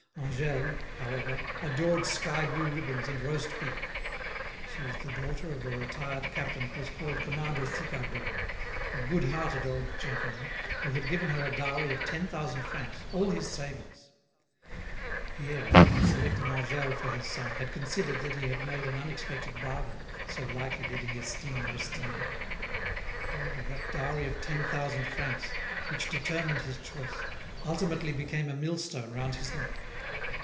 Angèle, however, adored sky blue ribbons and roast beef. She was the daughter of a retired captain who was called Commander Sicardot, a good hearted old gentleman, who had given her a dowry of ten thousand francs—all his savings. Pierre, in selecting Angèle for his son had considered that he had made an unexpected bargain, so lightly did he esteem Aristide. However, that dowry of ten thousand francs, which determined his choice, ultimately became a millstone round his neck.